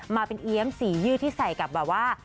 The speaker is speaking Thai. มาเป็นเอี๊ยมสียืดที่ใส่กับแบบว่า